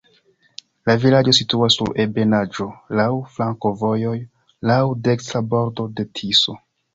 La vilaĝo situas sur ebenaĵo, laŭ flankovojoj, laŭ dekstra bordo de Tiso.